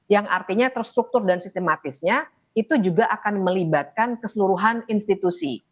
yang artinya terstruktur dan sistematisnya itu juga akan melibatkan keseluruhan institusi